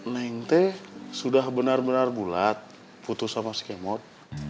neng teh sudah benar benar bulat putus sama si kemot